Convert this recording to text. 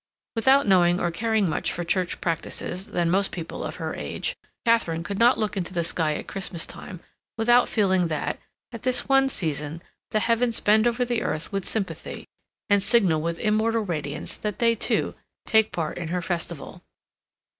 Without knowing or caring more for Church practices than most people of her age, Katharine could not look into the sky at Christmas time without feeling that, at this one season, the Heavens bend over the earth with sympathy, and signal with immortal radiance that they, too, take part in her festival.